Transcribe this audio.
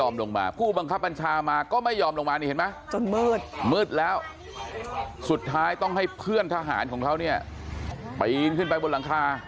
มืดแล้วสุดท้ายต้องให้เพื่อนทหารของเขาไปขึ้นไปบนหลังคา